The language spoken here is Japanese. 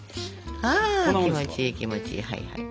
あ気持ちいい気持ちいい。